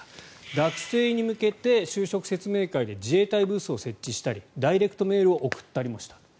学生に向けて就職説明会で自衛隊ブースを設置したりダイレクトメールを送ったりもした。